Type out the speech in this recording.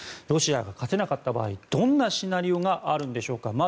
ロシアが勝てなかった場合どんなシナリオがあるんでしょうか。